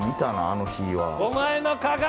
あの日は。